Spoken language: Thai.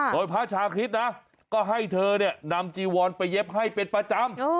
โดยพระชาคริสต์นะก็ให้เธอเนี่ยนำจีวอนไปเย็บให้เป็นประจำ